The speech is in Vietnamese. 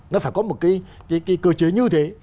nó phải có một cái cơ chế như thế